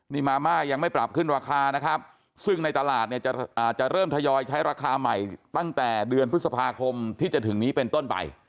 นี่มาม่ายังไม่ปรับขึ้นราคานะครับซึ่งในตลาดเนี่ยจะเริ่มทยอยใช้ราคาใหม่ตั้งแต่เดือนพฤษภาคมที่จะถึงนี้เป็นต้นไป